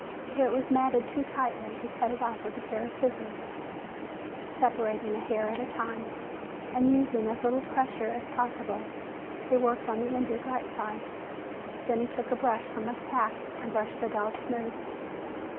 Where it was matted too tightly, he cut it off with a pair of scissors. Separating a hair at a time and using as little pressure as possible, he worked on the injured right side. Then he took a brush from his pack and brushed the dog smooth.